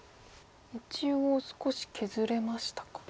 一応少し削れましたか。